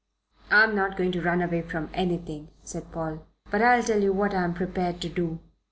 "I'm not going to run away from anything," said Paul. "But I'll tell you what I'm prepared to do.